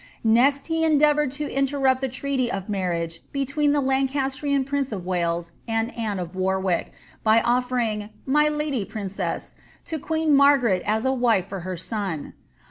Next he endeavoured to interrupt the treaty of marriage between the Lancastrian prince of Wales and Anne of War wick, by oliering ^ my lady princess,"' to queen Margaret as a wife for her son.